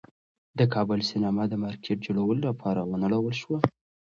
د کابل سینما د مارکېټ جوړولو لپاره ونړول شوه.